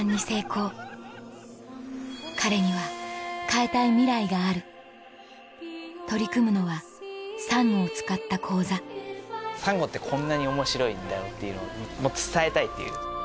彼には変えたいミライがある取り組むのはサンゴを使った講座サンゴってこんなに面白いんだよっていうのをもっと伝えたいっていう。